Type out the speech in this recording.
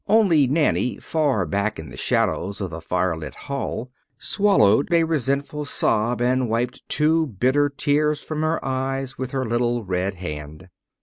Only Nanny, far back in the shadows of the firelit hall, swallowed a resentful sob, and wiped two bitter tears from her eyes with her little red hand.